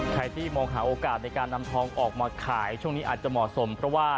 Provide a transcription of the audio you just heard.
ใครที่มองหาโอกาสในการนำทองออกมาขายช่วงนี้อาจจะเหมาะสมเพราะว่า